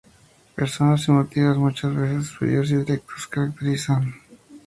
Personas y motivos muchas veces fríos y directos caracterizan su dramaturgia posterior.